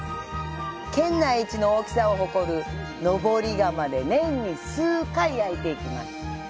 県内一の大きさを誇る登り窯で年に数回焼いています。